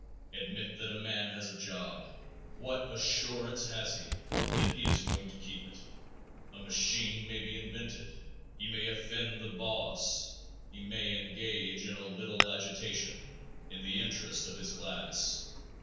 Admit that a man has a job. What assurance has he that he is going to keep it? A machine may be invented. He may offend the boss. He may engage in a little agitation in the interest of his class.